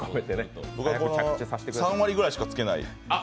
３割ぐらいしかつけない。